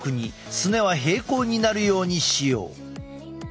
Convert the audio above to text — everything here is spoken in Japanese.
すねは平行になるようにしよう。